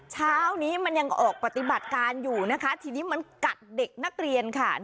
เช้านี้มันยังออกปฏิบัติการอยู่นะคะทีนี้มันกัดเด็กนักเรียนค่ะ